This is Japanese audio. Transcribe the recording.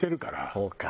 そうか。